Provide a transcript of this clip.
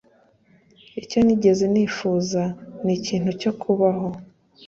icyo nigeze nifuza ni ikintu cyo kubaho